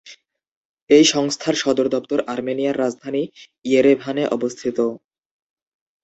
এই সংস্থার সদর দপ্তর আর্মেনিয়ার রাজধানী ইয়েরেভানে অবস্থিত।